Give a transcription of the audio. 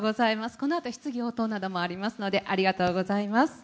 このあと質疑応答などもありますので、ありがとうございます。